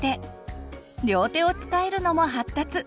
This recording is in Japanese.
両手を使えるのも発達！